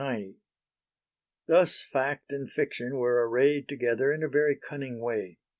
Thus fact and fiction were arrayed together in a very cunning way.